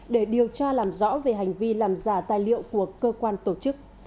để điều tra làm rõ về hành vi làm giả tài liệu của cơ quan tổ chức